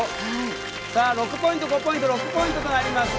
さあ６ポイント５ポイント６ポイントとなりました。